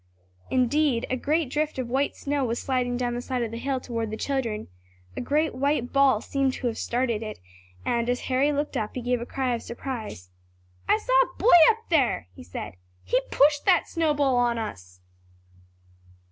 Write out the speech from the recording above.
Indeed a great drift of white snow was sliding down the side of the hill toward the children. A great white ball seemed to have started it, and as Harry looked up he gave a cry of surprise. "I saw a boy up there!" he said. "He pushed that snowball on us!"